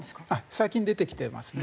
最近出てきてますね。